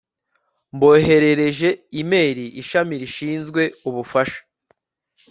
mboherereje imeri ishami rishinzwe ubufasha